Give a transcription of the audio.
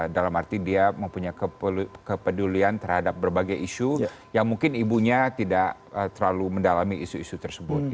dalam arti dia mempunyai kepedulian terhadap berbagai isu yang mungkin ibunya tidak terlalu mendalami isu isu tersebut